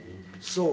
そう。